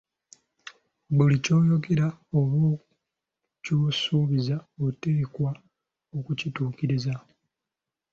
Buli ky'oyogera oba ky'osuubiza oteekwa okukituukiriza.